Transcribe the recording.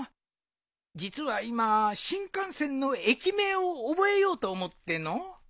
実は今新幹線の駅名を覚えようと思っての。